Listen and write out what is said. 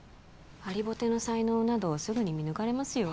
ハリボテの才能などすぐに見抜かれますよ